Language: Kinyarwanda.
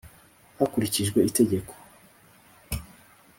Hakurikijwe itegeko.